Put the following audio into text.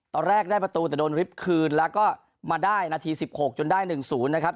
ตอนแรกได้ประตูแต่โดนริบคืนแล้วก็มาได้นาที๑๖จนได้๑๐นะครับ